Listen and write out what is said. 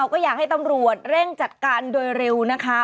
ก็อยากให้ตำรวจเร่งจัดการโดยเร็วนะคะ